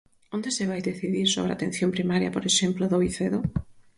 ¿Onde se vai decidir sobre a atención primaria, por exemplo, do Vicedo?